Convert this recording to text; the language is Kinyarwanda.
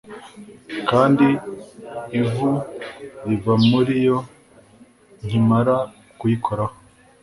kandi ivu riva muri yo nkimara kuyikoraho